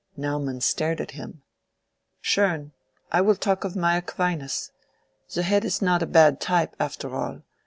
Naumann stared at him. "Schön! I will talk of my Aquinas. The head is not a bad type, after all.